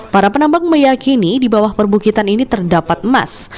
para penambang meyakini di bawah perbukitan ini terdapat emas